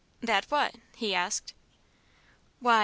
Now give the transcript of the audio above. "That what?" he asked. "Why!"